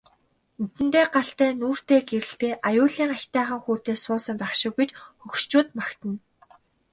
Нүдэндээ галтай нүүртээ гэрэлтэй аюулын аятайхан хүүтэй суусан байх шив гэж хөгшчүүд магтана.